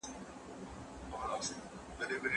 هغه څېړونکی چي ډېر کار کوي تل به بریالی وي.